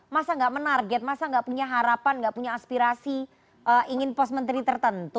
masa tidak menarget masa tidak punya harapan tidak punya aspirasi ingin pos menteri tertentu